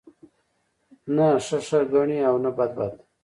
نه ښه ښه گڼي او نه بد بد